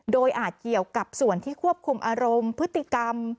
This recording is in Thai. โดยอาจเกี่ยวกับส่วนที่ควบคุมอารมณ์พฤติกรรม